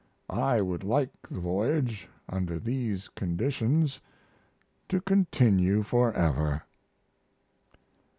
I would like the voyage, under these conditions, to continue forever.